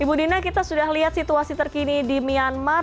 ibu dina kita sudah lihat situasi terkini di myanmar